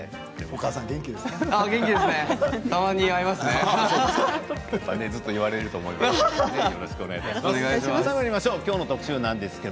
お母さん元気ですか？